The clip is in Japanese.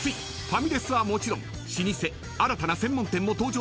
［ファミレスはもちろん老舗新たな専門店も登場し